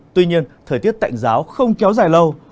tuy nhiên thời tiết tạnh giáo không kéo dài lâu